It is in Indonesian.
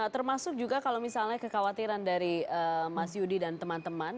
termasuk juga kalau misalnya kekhawatiran dari mas yudi dan teman teman